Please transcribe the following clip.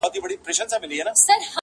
ته پاچا یې خدای درکړی سلطنت دئ.!